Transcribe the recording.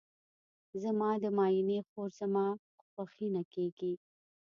زما د ماینې خور زما خوښینه کیږي.